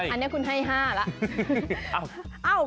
อันนี้คุณให้๕แล้ว